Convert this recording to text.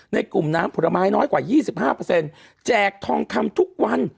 ในกลุ่มน้ำผลไม้น้อยกว่ายี่สิบห้าเปอร์เซ็นต์แจกทองคำทุกวัน